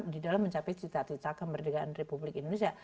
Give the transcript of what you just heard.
di dalam mencapai cita cita kemerdekaan republik indonesia